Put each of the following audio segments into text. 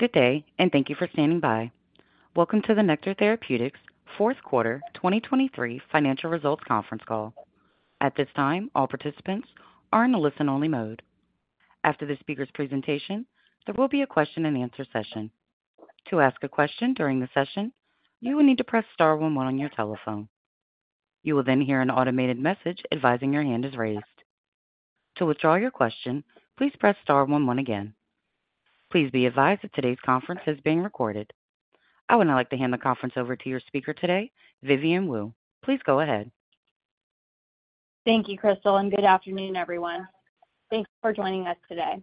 Good day, and thank you for standing by. Welcome to the Nektar Therapeutics fourth quarter 2023 financial results conference call. At this time, all participants are in a listen-only mode. After the speaker's presentation, there will be a question-and-answer session. To ask a question during the session, you will need to press star one one on your telephone. You will then hear an automated message advising your hand is raised. To withdraw your question, please press star one one again. Please be advised that today's conference is being recorded. I would now like to hand the conference over to your speaker today, Vivian Wu. Please go ahead. Thank you, Crystal, and good afternoon, everyone. Thanks for joining us today.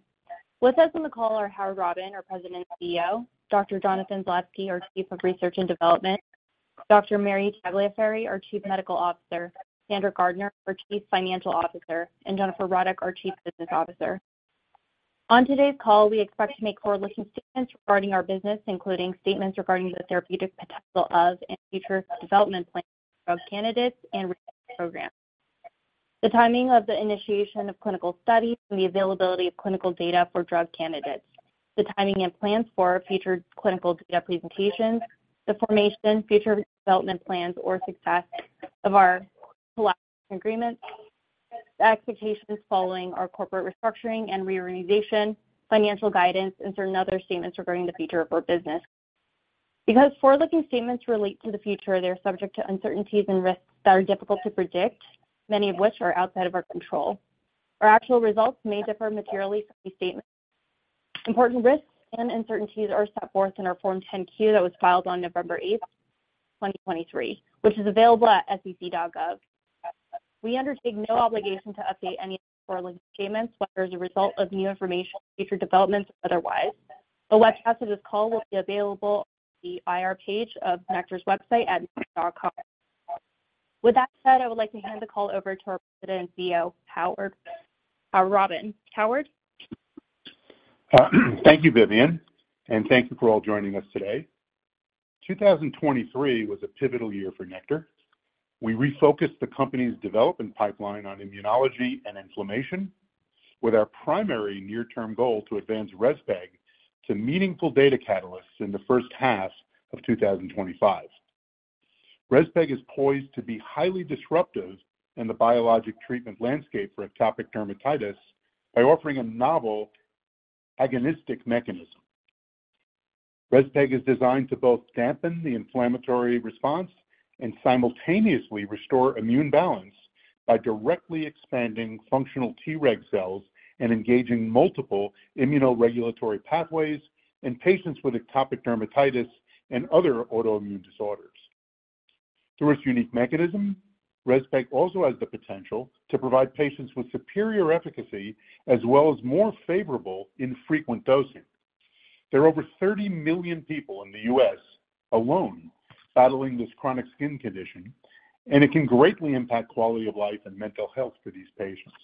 With us on the call are Howard Robin, our President and CEO; Dr. Jonathan Zalevsky, our Chief of Research and Development; Dr. Mary Tagliaferri, our Chief Medical Officer; Sandra Gardiner, our Chief Financial Officer; and Jennifer Ruddock, our Chief Business Officer. On today's call, we expect to make forward-looking statements regarding our business, including statements regarding the therapeutic potential of and future development plans, drug candidates and research programs. The timing of the initiation of clinical studies and the availability of clinical data for drug candidates, the timing and plans for future clinical data presentations, the formation, future development plans or success of our collaboration agreements, the expectations following our corporate restructuring and reorganization, financial guidance, and certain other statements regarding the future of our business. Because forward-looking statements relate to the future, they're subject to uncertainties and risks that are difficult to predict, many of which are outside of our control. Our actual results may differ materially from these statements. Important risks and uncertainties are set forth in our Form 10-Q that was filed on November 8, 2023, which is available at SEC.gov. We undertake no obligation to update any forward-looking statements, whether as a result of new information, future developments or otherwise. A webcast of this call will be available on the IR page of Nektar's website at nektar.com. With that said, I would like to hand the call over to our President and CEO, Howard, Robin. Howard? Thank you, Vivian, and thank you for all joining us today. 2023 was a pivotal year for Nektar. We refocused the company's development pipeline on immunology and inflammation, with our primary near-term goal to advance Rezpeg to meaningful data catalysts in the first half of 2025. Rezpeg is poised to be highly disruptive in the biologic treatment landscape for atopic dermatitis by offering a novel agonistic mechanism. Rezpeg is designed to both dampen the inflammatory response and simultaneously restore immune balance by directly expanding functional Treg cells and engaging multiple immunoregulatory pathways in patients with atopic dermatitis and other autoimmune disorders. Through its unique mechanism, Rezpeg also has the potential to provide patients with superior efficacy as well as more favorable infrequent dosing. There are over 30 million people in the U.S. alone battling this chronic skin condition, and it can greatly impact quality of life and mental health for these patients.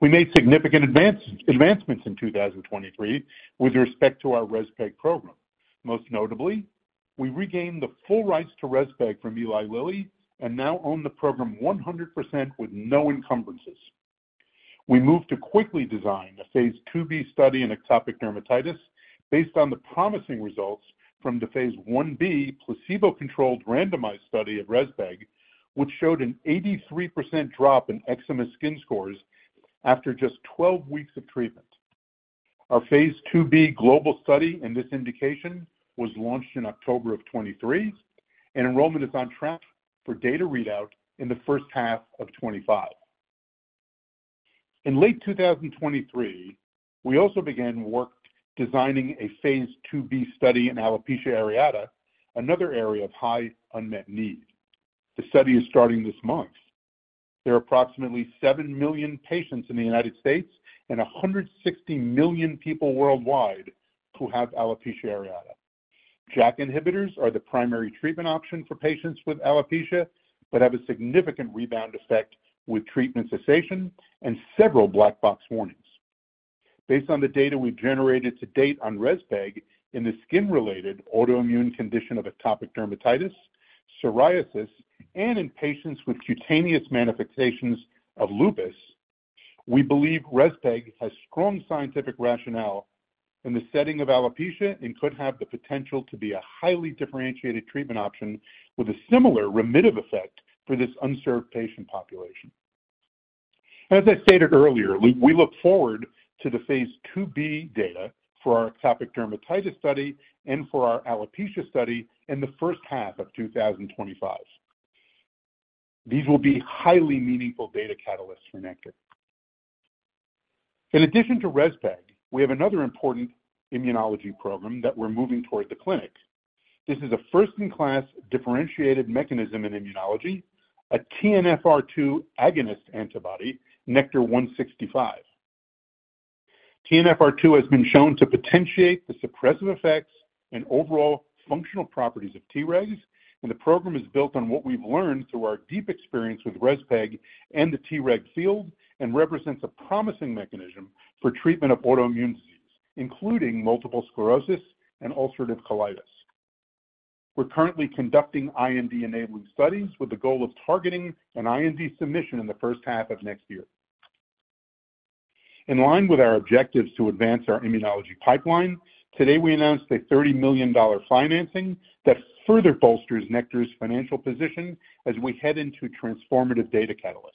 We made significant advancements in 2023 with respect to our REZPEG program. Most notably, we regained the full rights to REZPEG from Eli Lilly and now own the program 100% with no encumbrances. We moved to quickly design a phase 2b study in atopic dermatitis based on the promising results from the phase 1b, placebo-controlled randomized study of REZPEG, which showed an 83% drop in eczema skin scores after just 12 weeks of treatment. Our phase 2b global study in this indication was launched in October 2023, and enrollment is on track for data readout in the first half of 2025. In late 2023, we also began work designing a phase 2b study in alopecia areata, another area of high unmet need. The study is starting this month. There are approximately 7 million patients in the United States and 160 million people worldwide who have alopecia areata. JAK inhibitors are the primary treatment option for patients with alopecia but have a significant rebound effect with treatment cessation and several black box warnings. Based on the data we've generated to date on Rezpeg in the skin-related autoimmune condition of atopic dermatitis, psoriasis, and in patients with cutaneous manifestations of lupus, we believe Reszpeg has strong scientific rationale in the setting of alopecia and could have the potential to be a highly differentiated treatment option with a similar remittive effect for this unserved patient population. As I stated earlier, we look forward to the phase 2b data for our atopic dermatitis study and for our alopecia study in the first half of 2025. These will be highly meaningful data catalysts for Nektar. In addition to Rezpeg, we have another important immunology program that we're moving toward the clinic. This is a first-in-class differentiated mechanism in immunology, a TNFR2 agonist antibody, Nektar 165. TNFR2 has been shown to potentiate the suppressive effects and overall functional properties of Tregs, and the program is built on what we've learned through our deep experience with Rezpeg and the Treg field, and represents a promising mechanism for treatment of autoimmune disease, including multiple sclerosis and ulcerative colitis. We're currently conducting IND-enabling studies with the goal of targeting an IND submission in the first half of next year. In line with our objectives to advance our immunology pipeline, today, we announced a $30 million financing that further bolsters Nektar's financial position as we head into transformative data catalysts.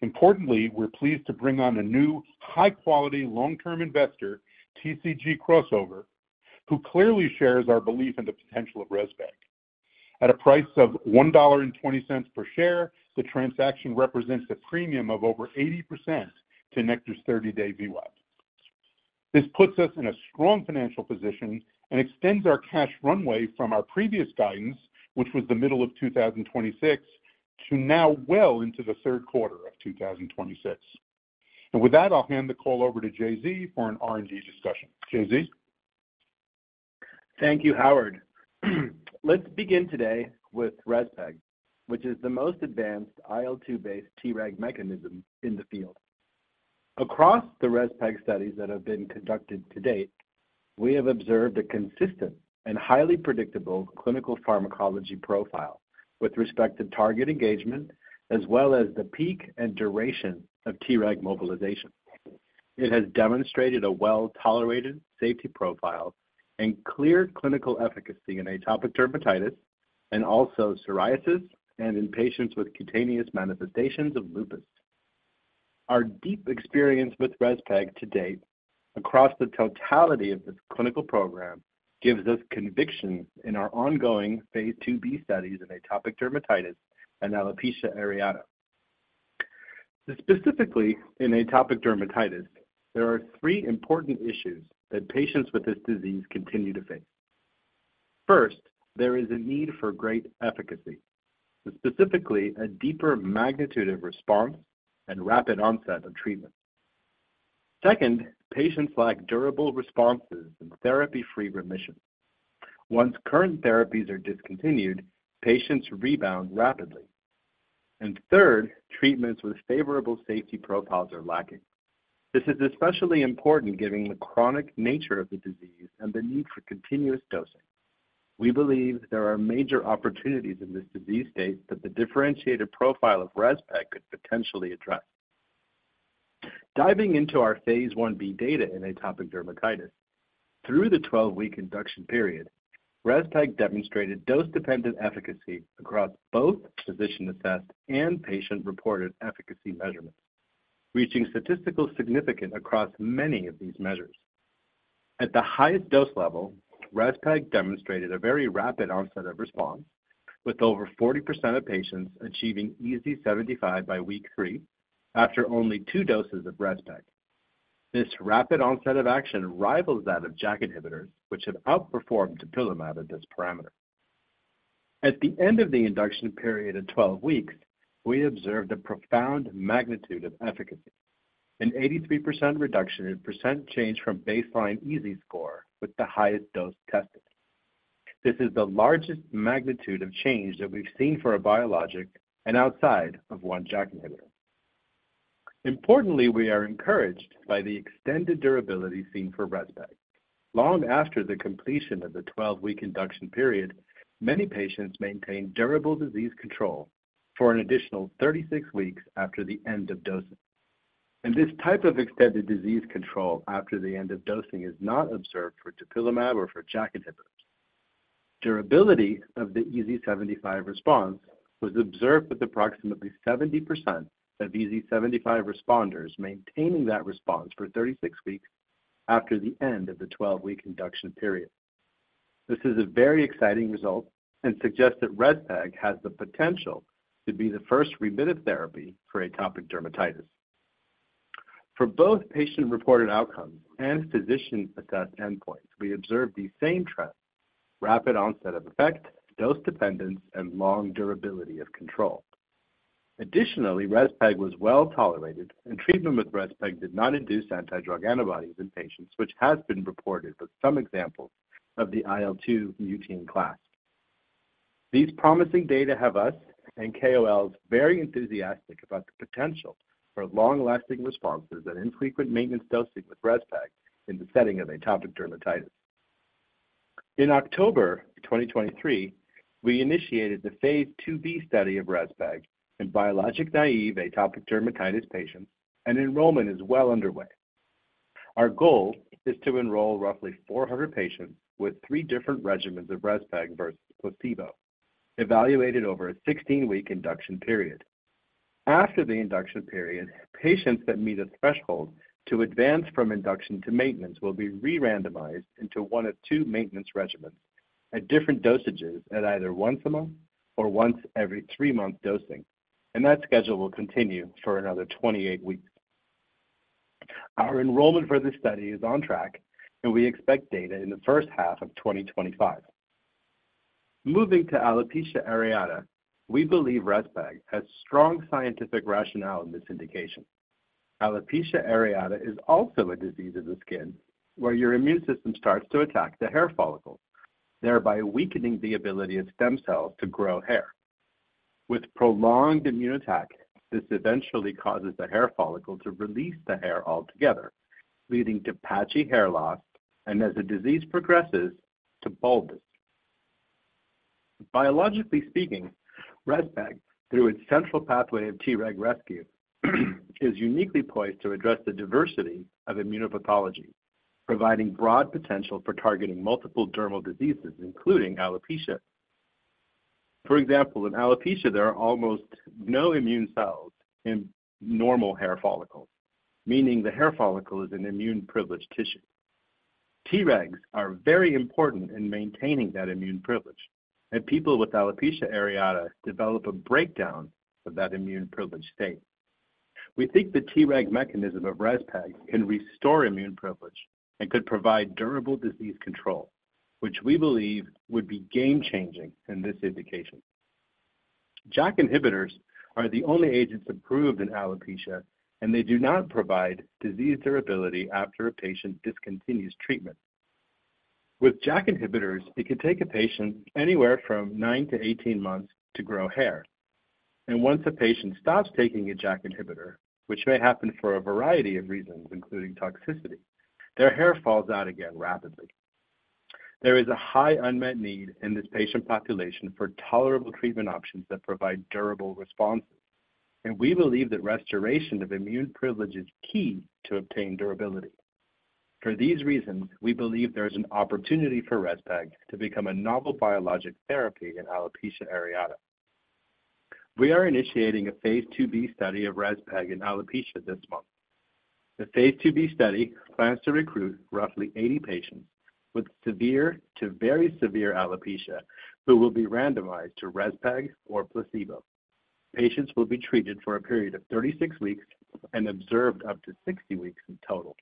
Importantly, we're pleased to bring on a new, high-quality, long-term investor, TCG Crossover, who clearly shares our belief in the potential of REZPEG. At a price of $1.20 per share, the transaction represents a premium of over 80% to Nektar's 30-day VWAP. This puts us in a strong financial position and extends our cash runway from our previous guidance, which was the middle of 2026, to now well into the third quarter of 2026. With that, I'll hand the call over to JZ for an R&D discussion. JZ? Thank you, Howard. Let's begin today with Rezpeg, which is the most advanced IL-2 based Treg mechanism in the field. Across the Rezpeg studies that have been conducted to date, we have observed a consistent and highly predictable clinical pharmacology profile with respect to target engagement, as well as the peak and duration of Treg mobilization. It has demonstrated a well-tolerated safety profile and clear clinical efficacy in atopic dermatitis, and also psoriasis, and in patients with cutaneous manifestations of lupus. Our deep experience with Rezpeg to date across the totality of this clinical program, gives us conviction in our ongoing Phase 2b studies in atopic dermatitis and alopecia areata. Specifically, in atopic dermatitis, there are three important issues that patients with this disease continue to face. First, there is a need for great efficacy, specifically a deeper magnitude of response and rapid onset of treatment. Second, patients lack durable responses and therapy-free remission. Once current therapies are discontinued, patients rebound rapidly. Third, treatments with favorable safety profiles are lacking. This is especially important given the chronic nature of the disease and the need for continuous dosing. We believe there are major opportunities in this disease state that the differentiated profile of REZPEG could potentially address. Diving into our Phase 1B data in atopic dermatitis, through the 12-week induction period, REZPEG demonstrated dose-dependent efficacy across both physician-assessed and patient-reported efficacy measurements, reaching statistically significant across many of these measures. At the highest dose level, REZPEG demonstrated a very rapid onset of response, with over 40% of patients achieving EASI-75 by week 3 after only 2 doses of REZPEG. This rapid onset of action rivals that of JAK inhibitors, which have outperformed dupilumab at this parameter. At the end of the induction period of 12 weeks, we observed a profound magnitude of efficacy, an 83% reduction in percent change from baseline EASI score with the highest dose tested. This is the largest magnitude of change that we've seen for a biologic and outside of one JAK inhibitor. Importantly, we are encouraged by the extended durability seen for REZPEG. Long after the completion of the 12-week induction period, many patients maintained durable disease control for an additional 36 weeks after the end of dosing. This type of extended disease control after the end of dosing is not observed for dupilumab or for JAK inhibitors. Durability of the EASI-75 response was observed with approximately 70% of EASI-75 responders maintaining that response for 36 weeks after the end of the 12-week induction period. This is a very exciting result and suggests that Rezpeg has the potential to be the first remittive therapy for atopic dermatitis. For both patient-reported outcomes and physician-assessed endpoints, we observed the same trends, rapid onset of effect, dose dependence, and long durability of control. Additionally, Rezpeg was well tolerated, and treatment with Rezpeg did not induce anti-drug antibodies in patients, which has been reported with some examples of the IL-2 mutein class. These promising data have us and KOLs very enthusiastic about the potential for long-lasting responses and infrequent maintenance dosing with Rezpeg in the setting of atopic dermatitis. In October 2023, we initiated the phase 2b study of Rezpeg in biologic-naive atopic dermatitis patients, and enrollment is well underway. Our goal is to enroll roughly 400 patients with three different regimens of Rezpeg versus placebo, evaluated over a 16-week induction period. After the induction period, patients that meet a threshold to advance from induction to maintenance will be re-randomized into one of two maintenance regimens at different dosages at either once a month or once every three-month dosing, and that schedule will continue for another 28 weeks. Our enrollment for this study is on track, and we expect data in the first half of 2025. Moving to alopecia areata, we believe Rezpeg has strong scientific rationale in this indication. Alopecia areata is also a disease of the skin, where your immune system starts to attack the hair follicle, thereby weakening the ability of stem cells to grow hair. With prolonged immune attack, this eventually causes the hair follicle to release the hair altogether, leading to patchy hair loss, and as the disease progresses, to baldness. Biologically speaking, REZPEG, through its central pathway of Treg rescue, is uniquely poised to address the diversity of immunopathology, providing broad potential for targeting multiple dermal diseases, including alopecia. For example, in alopecia, there are almost no immune cells in normal hair follicles, meaning the hair follicle is an immune-privileged tissue. Tregs are very important in maintaining that immune privilege, and people with alopecia areata develop a breakdown of that immune-privileged state. We think the Treg mechanism of REZPEG can restore immune privilege and could provide durable disease control, which we believe would be game-changing in this indication. JAK inhibitors are the only agents approved in alopecia, and they do not provide disease durability after a patient discontinues treatment. With JAK inhibitors, it can take a patient anywhere from 9-18 months to grow hair, and once a patient stops taking a JAK inhibitor, which may happen for a variety of reasons, including toxicity, their hair falls out again rapidly. There is a high unmet need in this patient population for tolerable treatment options that provide durable responses, and we believe that restoration of immune privilege is key to obtain durability. For these reasons, we believe there is an opportunity for Rezpeg to become a novel biologic therapy in alopecia areata. We are initiating a phase 2b study of Rezpeg in alopecia this month. The phase 2b study plans to recruit roughly 80 patients with severe to very severe alopecia, who will be randomized to Rezpeg or placebo. Patients will be treated for a period of 36 weeks and observed up to 60 weeks in total.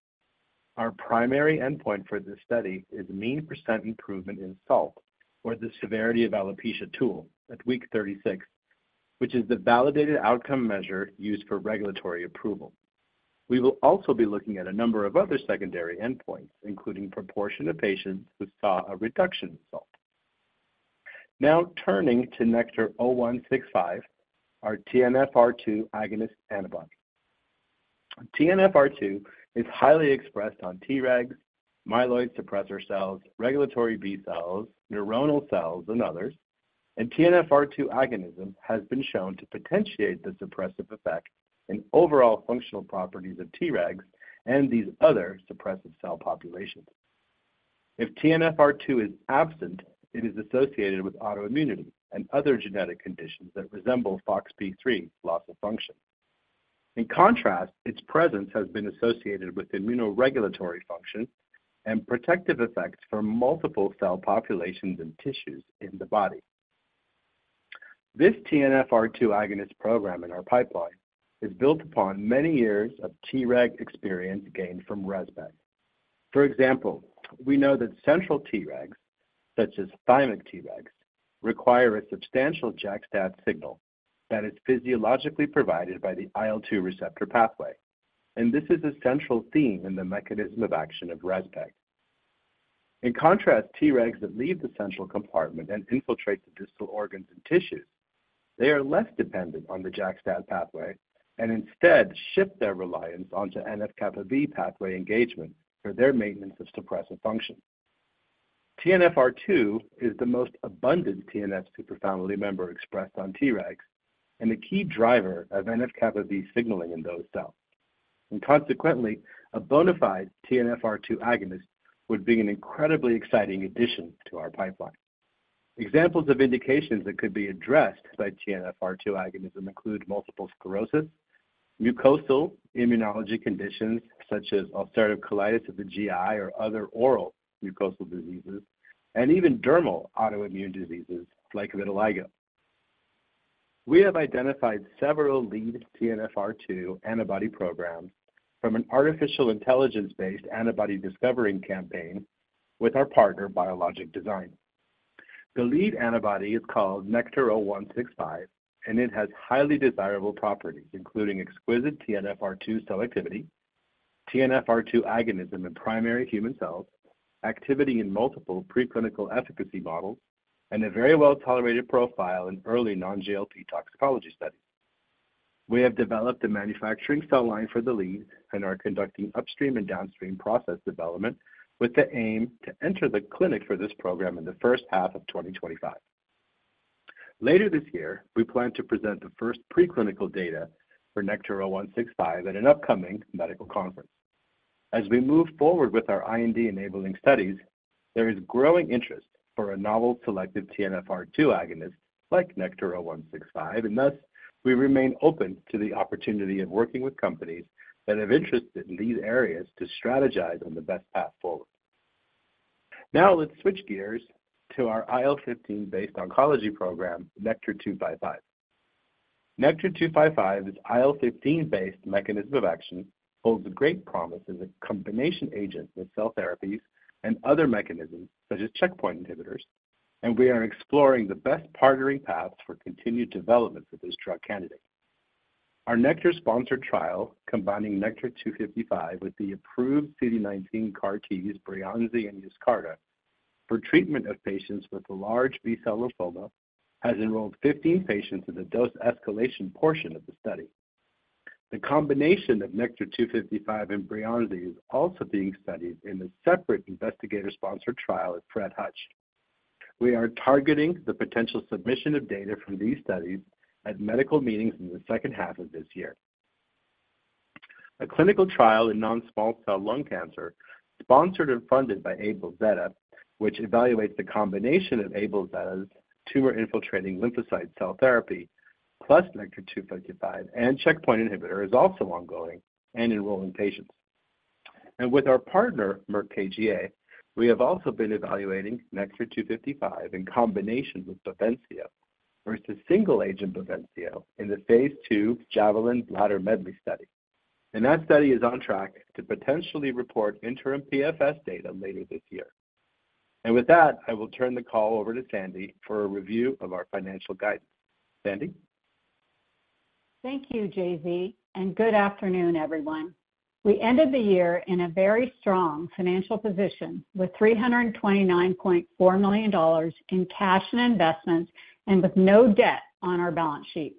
Our primary endpoint for this study is mean % improvement in SALT, or the Severity of Alopecia Tool, at week 36, which is the validated outcome measure used for regulatory approval. We will also be looking at a number of other secondary endpoints, including proportion of patients who saw a reduction in SALT. Now, turning to NKTR-0165, our TNFR2 agonist antibody. TNFR2 is highly expressed on Tregs, myeloid suppressor cells, regulatory B cells, neuronal cells, and others, and TNFR2 agonism has been shown to potentiate the suppressive effect in overall functional properties of Tregs and these other suppressive cell populations. If TNFR2 is absent, it is associated with autoimmunity and other genetic conditions that resemble FOXP3 loss of function. In contrast, its presence has been associated with immunoregulatory function and protective effects for multiple cell populations and tissues in the body. This TNFR2 agonist program in our pipeline is built upon many years of Treg experience gained from Rezpeg. For example, we know that central Tregs, such as thymic Tregs, require a substantial JAK-STAT signal that is physiologically provided by the IL-2 receptor pathway, and this is a central theme in the mechanism of action of Rezpeg. In contrast, Tregs that leave the central compartment and infiltrate the distal organs and tissues, they are less dependent on the JAK-STAT pathway and instead shift their reliance onto NF-kappa B pathway engagement for their maintenance of suppressive function. TNFR2 is the most abundant TNF super family member expressed on Tregs and a key driver of NF-kappa B signaling in those cells. Consequently, a bona fide TNFR2 agonist would be an incredibly exciting addition to our pipeline. Examples of indications that could be addressed by TNFR2 agonism include multiple sclerosis, mucosal immunology conditions, such as ulcerative colitis of the GI or other oral mucosal diseases, and even dermal autoimmune diseases like vitiligo. We have identified several lead TNFR2 antibody programs from an artificial intelligence-based antibody discovering campaign with our partner, Biolojic Design. The lead antibody is called NKTR-0165, and it has highly desirable properties, including exquisite TNFR2 selectivity, TNFR2 agonism in primary human cells, activity in multiple preclinical efficacy models, and a very well-tolerated profile in early non-GLP toxicology studies. We have developed a manufacturing cell line for the lead and are conducting upstream and downstream process development with the aim to enter the clinic for this program in the first half of 2025. Later this year, we plan to present the first preclinical data for NKTR-0165 at an upcoming medical conference. As we move forward with our IND-enabling studies, there is growing interest for a novel selective TNFR2 agonist like NKTR-0165, and thus, we remain open to the opportunity of working with companies that have interest in these areas to strategize on the best path forward. Now, let's switch gears to our IL-15-based oncology program, NKTR-255. NKTR-255's IL-15-based mechanism of action holds great promise as a combination agent with cell therapies and other mechanisms, such as checkpoint inhibitors, and we are exploring the best partnering paths for continued development of this drug candidate. Our Nektar-sponsored trial, combining NKTR-255 with the approved CD19 CAR Ts, Breyanzi and Yescarta, for treatment of patients with large B-cell lymphoma, has enrolled 15 patients in the dose escalation portion of the study. The combination of NKTR-255 and Breyanzi is also being studied in a separate investigator-sponsored trial at Fred Hutch. We are targeting the potential submission of data from these studies at medical meetings in the second half of this year. A clinical trial in non-small cell lung cancer, sponsored and funded by AbelZeta, which evaluates the combination of AbelZeta's tumor-infiltrating lymphocyte cell therapy, plus NKTR-255 and checkpoint inhibitor, is also ongoing and enrolling patients. With our partner, Merck KGaA, we have also been evaluating NKTR-255 in combination with Bavencio versus single-agent Bavencio in the Phase II JAVELIN Bladder Medley study. That study is on track to potentially report interim PFS data later this year. With that, I will turn the call over to Sandy for a review of our financial guidance. Sandy? Thank you, JZ, and good afternoon, everyone. We ended the year in a very strong financial position, with $329.4 million in cash and investments and with no debt on our balance sheet.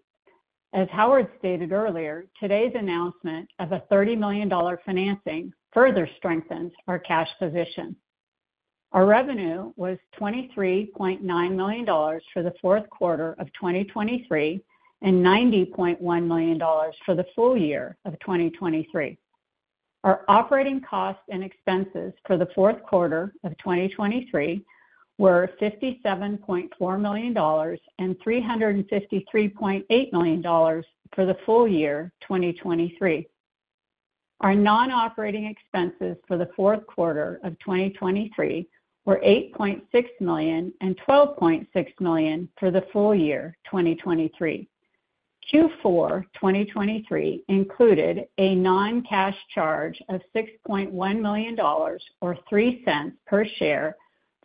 As Howard stated earlier, today's announcement of a $30 million financing further strengthens our cash position. Our revenue was $23.9 million for the fourth quarter of 2023, and $90.1 million for the full year of 2023. Our operating costs and expenses for the fourth quarter of 2023 were $57.4 million and $353.8 million for the full year, 2023. Our non-operating expenses for the fourth quarter of 2023 were $8.6 million and $12.6 million for the full year, 2023. Q4 2023 included a non-cash charge of $6.1 million, or 3 cents per share,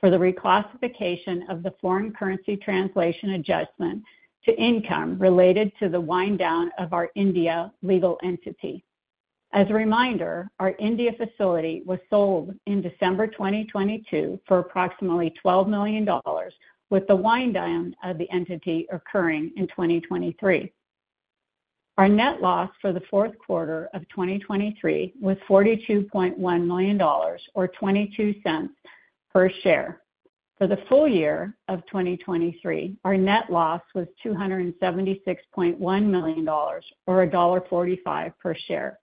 for the reclassification of the foreign currency translation adjustment to income related to the wind down of our India legal entity. As a reminder, our India facility was sold in December 2022 for approximately $12 million, with the wind down of the entity occurring in 2023. Our net loss for the fourth quarter of 2023 was $42.1 million, or 22 cents per share. For the full year of 2023, our net loss was $276.1 million, or $1.45 per share.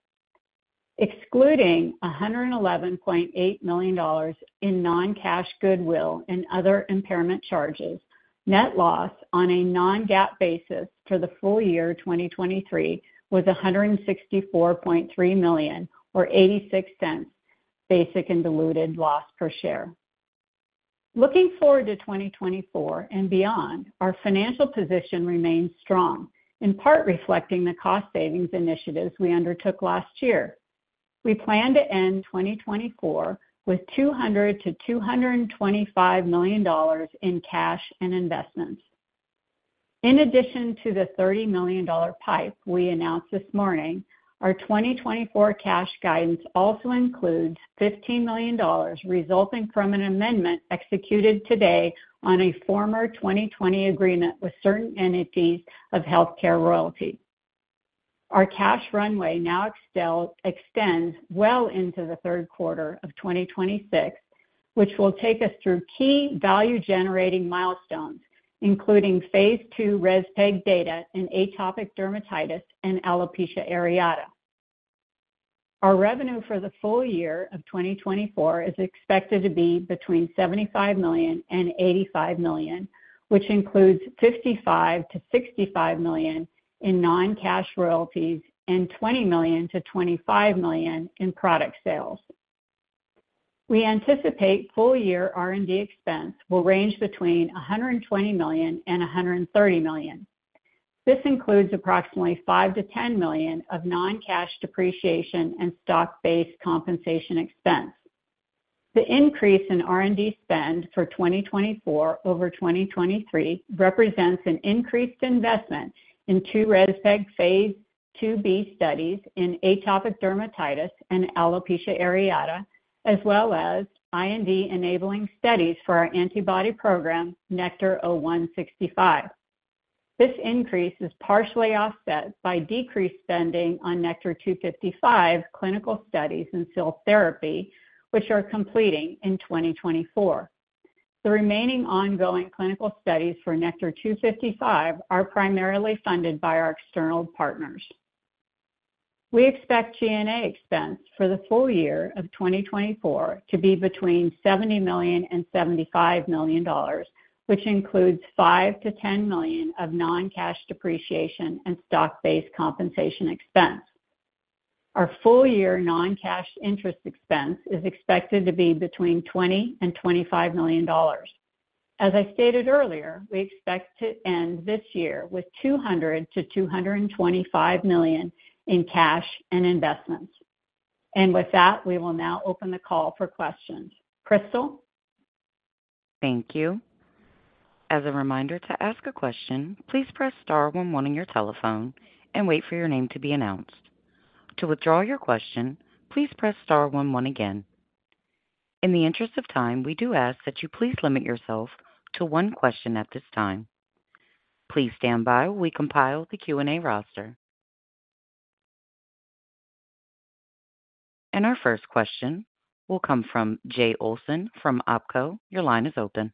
Excluding $111.8 million in non-cash goodwill and other impairment charges, net loss on a non-GAAP basis for the full year 2023 was $164.3 million, or $0.86 basic and diluted loss per share. Looking forward to 2024 and beyond, our financial position remains strong, in part reflecting the cost savings initiatives we undertook last year. We plan to end 2024 with $200-$225 million in cash and investments. In addition to the $30 million PIPE we announced this morning, our 2024 cash guidance also includes $15 million resulting from an amendment executed today on a former 2020 agreement with certain entities of HealthCare Royalty. Our cash runway now extends well into the third quarter of 2026, which will take us through key value-generating milestones, including phase II REZPEG data in atopic dermatitis and alopecia areata. Our revenue for the full year of 2024 is expected to be between $75 million and $85 million, which includes $55 million-$65 million in non-cash royalties and $20 million-$25 million in product sales. We anticipate full-year R&D expense will range between $120 million and $130 million. This includes approximately $5 million-$10 million of non-cash depreciation and stock-based compensation expense. The increase in R&D spend for 2024 over 2023 represents an increased investment in two REZPEG phase IIb studies in atopic dermatitis and alopecia areata, as well as IND-enabling studies for our antibody program, NKTR-0165. This increase is partially offset by decreased spending on NKTR-255 clinical studies in cell therapy, which are completing in 2024. The remaining ongoing clinical studies for NKTR-255 are primarily funded by our external partners. We expect G&A expense for the full year of 2024 to be between $70 million and $75 million, which includes $5-10 million of non-cash depreciation and stock-based compensation expense. Our full-year non-cash interest expense is expected to be between $20 million and $25 million. As I stated earlier, we expect to end this year with $200-225 million in cash and investments. And with that, we will now open the call for questions. Crystal?... Thank you. As a reminder, to ask a question, please press star one one on your telephone and wait for your name to be announced. To withdraw your question, please press star one one again. In the interest of time, we do ask that you please limit yourself to one question at this time. Please stand by while we compile the Q&A roster. Our first question will come from Jay Olson from Opco. Your line is open.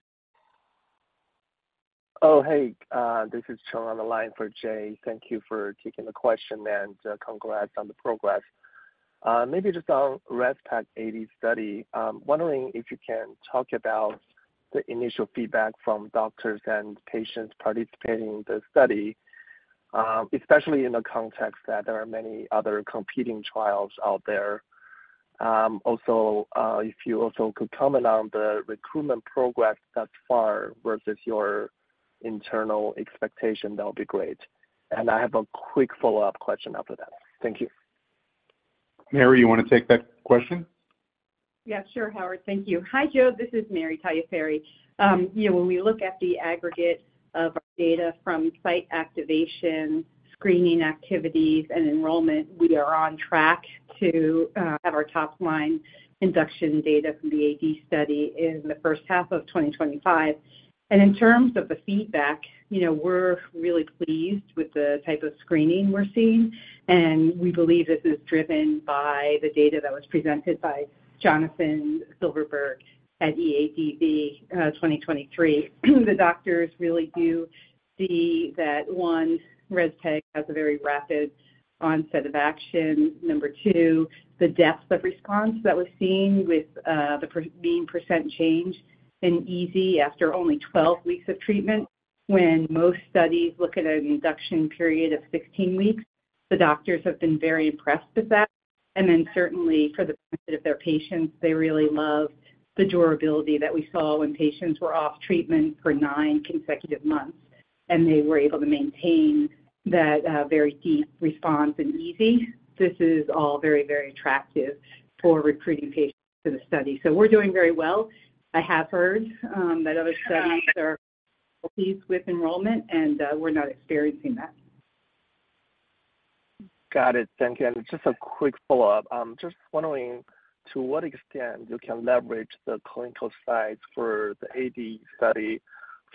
Oh, hey, this is Cheng on the line for Jay. Thank you for taking the question, and, congrats on the progress. Maybe just on REZPEG-AD study, wondering if you can talk about the initial feedback from doctors and patients participating in the study, especially in the context that there are many other competing trials out there. Also, if you could comment on the recruitment progress thus far versus your internal expectation, that would be great. And I have a quick follow-up question after that. Thank you. Mary, you want to take that question? Yeah, sure, Howard. Thank you. Hi, Joe. This is Mary Tagliaferri. You know, when we look at the aggregate of our data from site activation, screening activities, and enrollment, we are on track to have our top-line induction data from the AD study in the first half of 2025. And in terms of the feedback, you know, we're really pleased with the type of screening we're seeing, and we believe this is driven by the data that was presented by Jonathan Silverberg at EADV 2023. The doctors really do see that, one, REZPEG has a very rapid onset of action. Number two, the depth of response that we're seeing with the mean % change in EASI after only 12 weeks of treatment, when most studies look at an induction period of 16 weeks, the doctors have been very impressed with that. And then certainly for the benefit of their patients, they really love the durability that we saw when patients were off treatment for nine consecutive months, and they were able to maintain that, very deep response and EASI. This is all very, very attractive for recruiting patients to the study. So we're doing very well. I have heard, that other studies are pleased with enrollment, and, we're not experiencing that. Got it. Thank you. And just a quick follow-up. Just wondering to what extent you can leverage the clinical sites for the AD study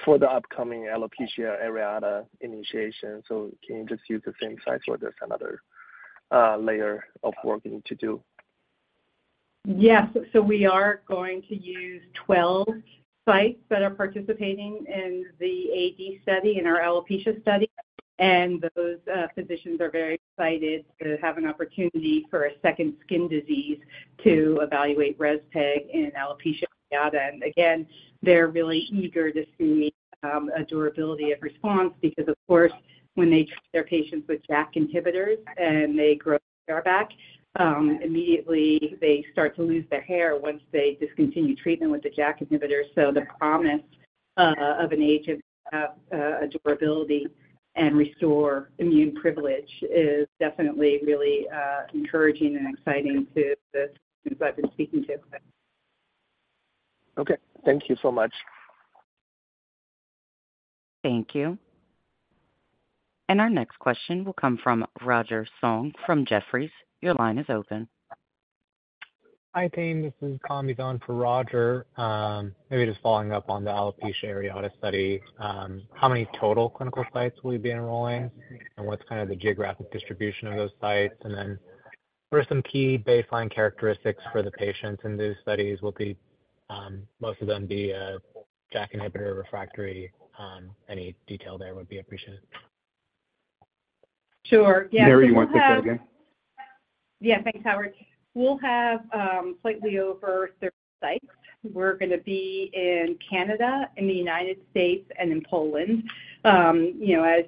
for the upcoming alopecia areata initiation. So can you just use the same sites, or there's another layer of work you need to do? Yes. So we are going to use 12 sites that are participating in the AD study, in our alopecia study, and those physicians are very excited to have an opportunity for a second skin disease to evaluate REZPEG in alopecia areata. And again, they're really eager to see a durability of response because, of course, when they treat their patients with JAK inhibitors and they grow hair back, immediately they start to lose their hair once they discontinue treatment with the JAK inhibitors. So the promise of an age of durability and restore immune privilege is definitely really encouraging and exciting to the who I've been speaking to. Okay, thank you so much. Thank you. Our next question will come from Roger Song from Jefferies. Your line is open. Hi, team. This is Calmizaun for Roger. Maybe just following up on the alopecia areata study, how many total clinical sites will you be enrolling? And what's kind of the geographic distribution of those sites? And then what are some key baseline characteristics for the patients in these studies? Will most of them be JAK inhibitor refractory? Any detail there would be appreciated. Sure. Yeah, Mary, you want to take that again? Yeah. Thanks, Howard. We'll have slightly over 30 sites. We're gonna be in Canada, in the United States, and in Poland. You know, as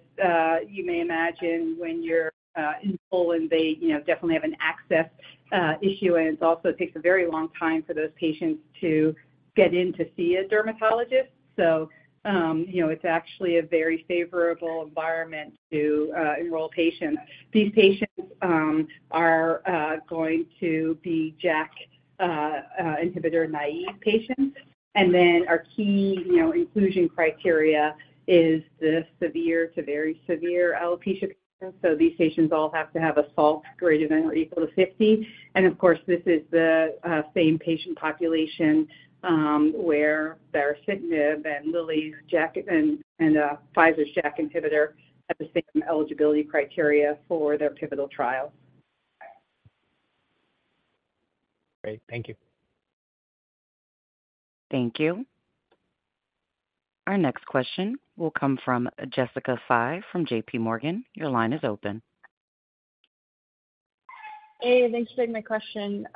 you may imagine, when you're in Poland, they, you know, definitely have an access issue, and it also takes a very long time for those patients to get in to see a dermatologist. So, you know, it's actually a very favorable environment to enroll patients. These patients are going to be JAK inhibitor-naive patients. And then our key, you know, inclusion criteria is the severe to very severe alopecia. So these patients all have to have a SALT greater than or equal to 50. And of course, this is the same patient population, where baricitinib and Lilly's JAK and Pfizer's JAK inhibitor have the same eligibility criteria for their pivotal trial. Great. Thank you. Thank you. Our next question will come from Jessica Fye from JPMorgan. Your line is open. Hey, thanks for taking my question.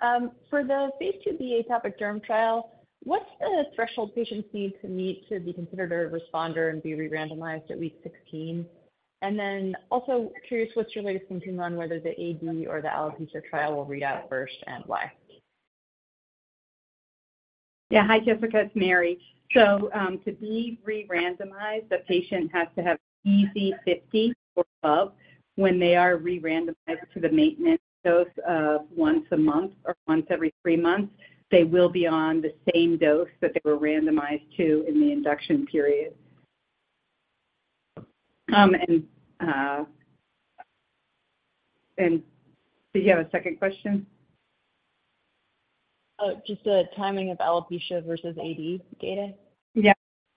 For the phase 2b atopic derm trial, what's the threshold patients need to meet to be considered a responder and be re-randomized at week 16? And then also curious, what's your latest thinking on whether the AD or the alopecia trial will read out first and why? Yeah. Hi, Jessica, it's Mary. So, to be re-randomized, the patient has to have EASI-50 or above. When they are re-randomized to the maintenance dose of once a month or once every three months, they will be on the same dose that they were randomized to in the induction period. Did you have a second question? Just the timing of alopecia versus AD data. Yeah.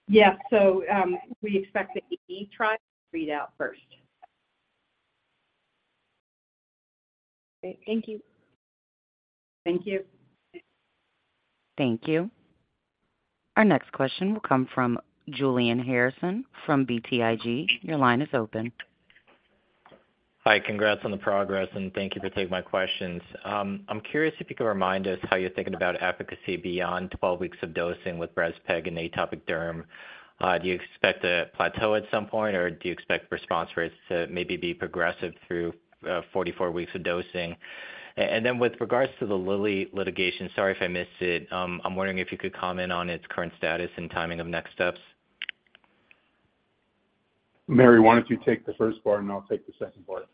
Yeah. So, we expect the AD trial to read out first. Great. Thank you. Thank you. Thank you. Our next question will come from Julian Harrison from BTIG. Your line is open. Hi. Congrats on the progress, and thank you for taking my questions. I'm curious if you could remind us how you're thinking about efficacy beyond 12 weeks of dosing with respeg and atopic derm. Do you expect a plateau at some point, or do you expect response rates to maybe be progressive through 44 weeks of dosing? And then with regards to the Lilly litigation, sorry if I missed it, I'm wondering if you could comment on its current status and timing of next steps. Mary, why don't you take the first part and I'll take the second part?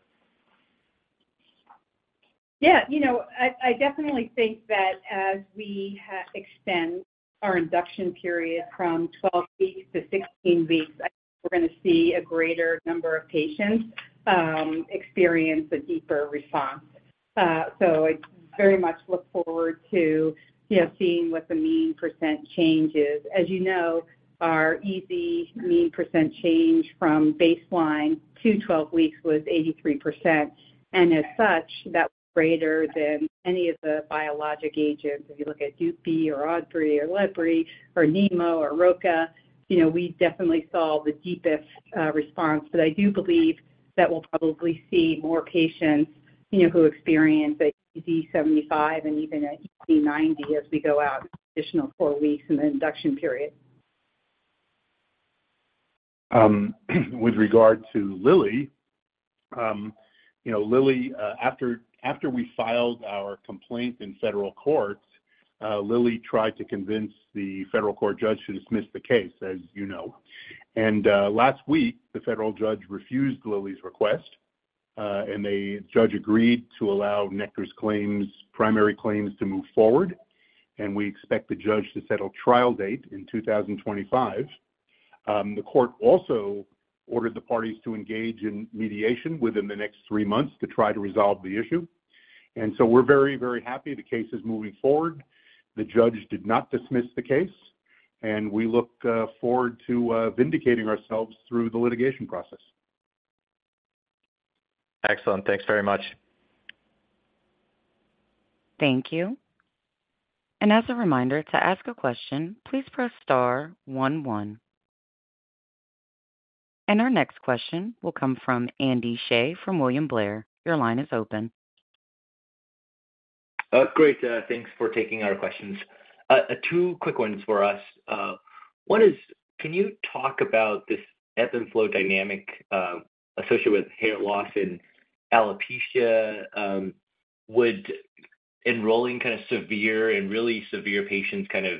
Yeah. You know, I definitely think that as we extend our induction period from 12 weeks to 16 weeks, I think we're gonna see a greater number of patients experience a deeper response. So I very much look forward to, you know, seeing what the mean % change is. As you know, our EASI mean % change from baseline to 12 weeks was 83%, and as such, that's greater than any of the biologic agents. If you look at Dupi or Adbry or Lebri or Nemo or Roca, you know, we definitely saw the deepest response. But I do believe that we'll probably see more patients, you know, who experience an AD 75 and even an AD 90 as we go out an additional 4 weeks in the induction period. With regard to Lilly, you know, Lilly, after we filed our complaint in federal court, Lilly tried to convince the federal court judge to dismiss the case, as you know. Last week, the federal judge refused Lilly's request, and the judge agreed to allow Nektar's claims, primary claims to move forward, and we expect the judge to settle trial date in 2025. The court also ordered the parties to engage in mediation within the next three months to try to resolve the issue, and so we're very, very happy the case is moving forward. The judge did not dismiss the case, and we look forward to vindicating ourselves through the litigation process. Excellent. Thanks very much. Thank you. And as a reminder, to ask a question, please press star one, one. And our next question will come from Andy Hsieh from William Blair. Your line is open. Great, thanks for taking our questions. Two quick ones for us. One is, can you talk about this ebb and flow dynamic associated with hair loss in alopecia? Would enrolling kind of severe and really severe patients kind of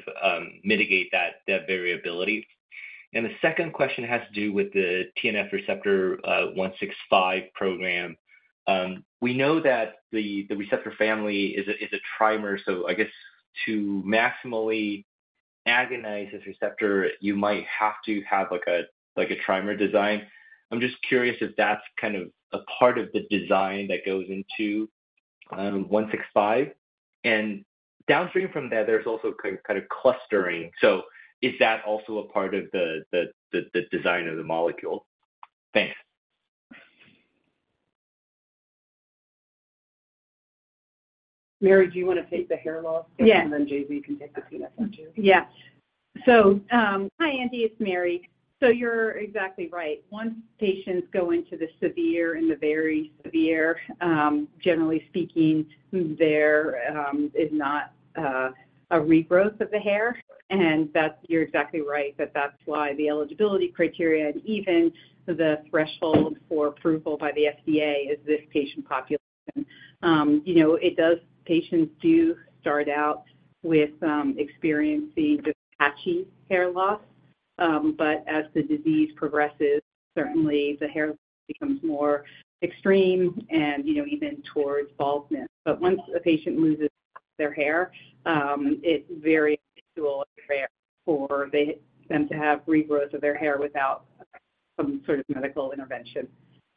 mitigate that variability? And the second question has to do with the TNF receptor one six five program. We know that the receptor family is a trimer, so I guess to maximally agonize this receptor, you might have to have like a trimer design. I'm just curious if that's kind of a part of the design that goes into one six five. And downstream from that, there's also kind of clustering. So is that also a part of the design of the molecule? Thanks. Mary, do you want to take the hair loss question? Yeah. JB can take the TNF question. Yeah. So, hi, Andy, it's Mary. So you're exactly right. Once patients go into the severe and the very severe, generally speaking, there is not a regrowth of the hair, and that's—you're exactly right, that that's why the eligibility criteria and even the threshold for approval by the FDA is this patient population. You know, it does... Patients do start out with experiencing just patchy hair loss, but as the disease progresses, certainly the hair loss becomes more extreme and, you know, even towards baldness. But once a patient loses their hair, it's very unusual and rare for they, them to have regrowth of their hair without some sort of medical intervention.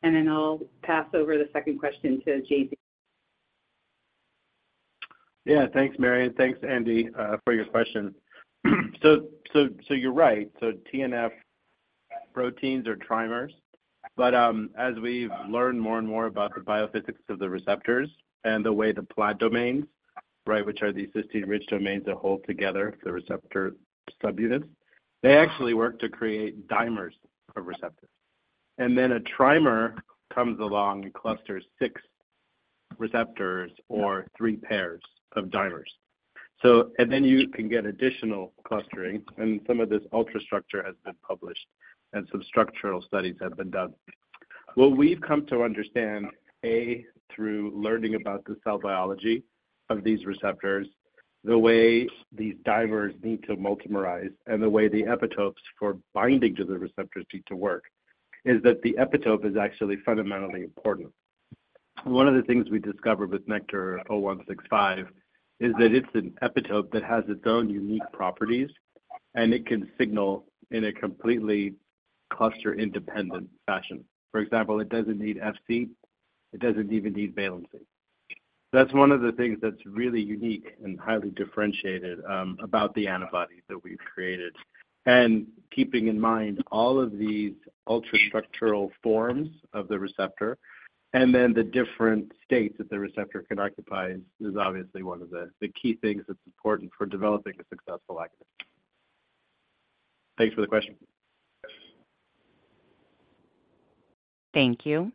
And then I'll pass over the second question to JB. Yeah. Thanks, Mary, and thanks, Andy, for your question. So you're right. So TNF proteins are trimers, but as we've learned more and more about the biophysics of the receptors and the way the PLAD domains, right, which are these cysteine-rich domains that hold together the receptor subunits, they actually work to create dimers of receptors. And then a trimer comes along and clusters six receptors or three pairs of dimers. So, and then you can get additional clustering, and some of this ultrastructure has been published, and some structural studies have been done. What we've come to understand, A, through learning about the cell biology of these receptors, the way these dimers need to multimerize, and the way the epitopes for binding to the receptors need to work, is that the epitope is actually fundamentally important. One of the things we discovered with NKTR-0165 is that it's an epitope that has its own unique properties, and it can signal in a completely cluster-independent fashion. For example, it doesn't need FC, it doesn't even need valency. That's one of the things that's really unique and highly differentiated about the antibody that we've created. And keeping in mind all of these ultrastructural forms of the receptor and then the different states that the receptor can occupy is obviously one of the key things that's important for developing a successful agonist. Thanks for the question. Thank you.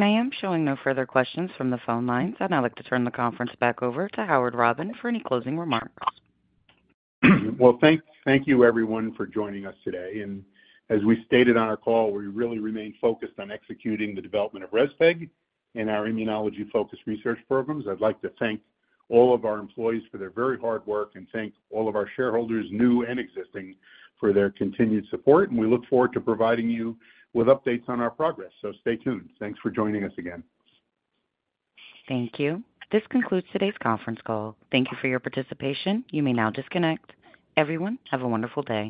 I am showing no further questions from the phone lines, and I'd like to turn the conference back over to Howard Robin for any closing remarks. Well, thank you everyone for joining us today, and as we stated on our call, we really remain focused on executing the development of Rezpeg and our immunology-focused research programs. I'd like to thank all of our employees for their very hard work and thank all of our shareholders, new and existing, for their continued support, and we look forward to providing you with updates on our progress, so stay tuned. Thanks for joining us again. Thank you. This concludes today's conference call. Thank you for your participation. You may now disconnect. Everyone, have a wonderful day.